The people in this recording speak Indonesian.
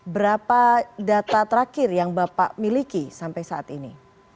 berapa data terakhir yang bapak miliki sampai saat ini